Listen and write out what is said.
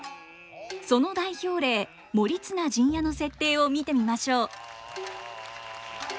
その代表例「盛綱陣屋」の設定を見てみましょう。